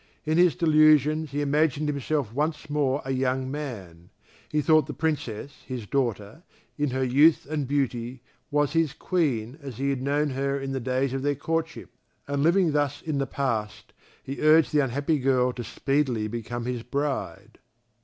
In his delusions he imagined himself once more a young man; he thought the Princess his daughter, in her youth and beauty, was his Queen as he had known her in the days of their courtship, and living thus in the past he urged the unhappy girl to speedily become his bride.